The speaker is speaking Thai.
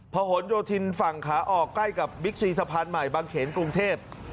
หนโยธินฝั่งขาออกใกล้กับบิ๊กซีสะพานใหม่บางเขนกรุงเทพ